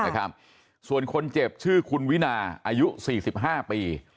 ค่ะส่วนคนเจ็บชื่อคุณวินาอายุสี่สิบห้าปี